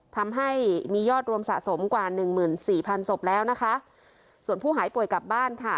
ทำให้มียอดรวมสะสมกว่าหนึ่งหมื่นสี่พันศพแล้วนะคะส่วนผู้หายป่วยกลับบ้านค่ะ